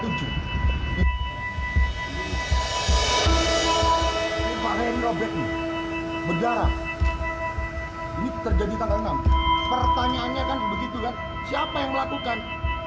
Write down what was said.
ini terjadi tanggal enam pertanyaannya kan begitu siapa yang melakukan